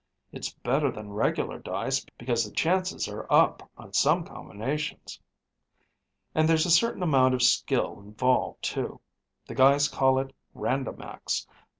It's better than regular dice because the chances are up on some combinations. And there's a certain amount of skill involved too. The guys call it Randomax.